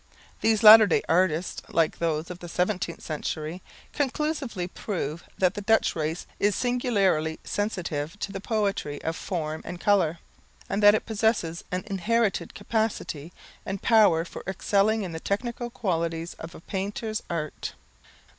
These latter day artists, like those of the 17th century, conclusively prove that the Dutch race is singularly sensitive to the poetry of form and colour, and that it possesses an inherited capacity and power for excelling in the technical qualities of the painter's art.